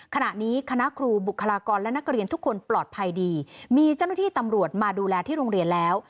ขณะนี้คณะครูบุคลากรและนักเรียนทุกคนปลอดภัยดีมีเจ้าหน้าที่ตำรวจมาดูแลที่โรงเรียนแล้ว